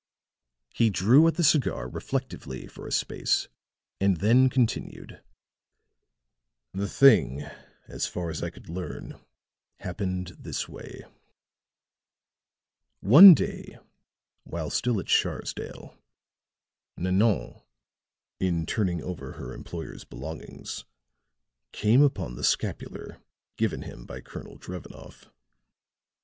He drew at the cigar reflectively for a space and then continued: "The thing as far as I could learn happened this way: "One day while still at Sharsdale, Nanon, in turning over her employer's belongings, came upon the scapular given him by Colonel Drevenoff.